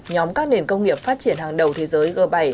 nhóm các nền công nghiệp phát triển hàng đầu thế giới g bảy